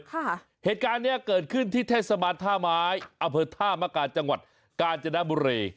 ค่ะเหตุการณ์เนี้ยเกิดขึ้นที่แท่สะบัดท่าไม้อเผิดท่ามากาจจังหวัดกาจนบุรี